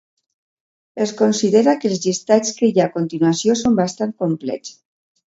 Es considera que els llistats que hi ha a continuació són bastant complets.